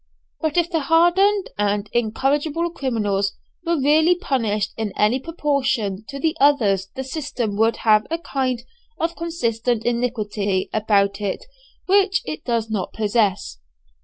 But if the hardened and incorrigible criminals were really punished in any proportion to the others the system would have a kind of consistent iniquity about it which it does not possess.